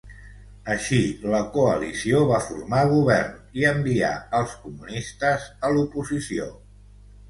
Així la coalició va formar govern i envià als comunistes a l'oposició.